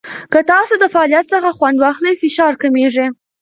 که تاسو د فعالیت څخه خوند واخلئ، فشار کمېږي.